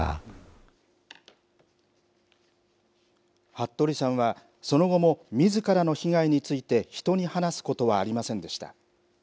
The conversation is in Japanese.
服部さんは、その後もみずからの被害について、人に話すことはありませんでした。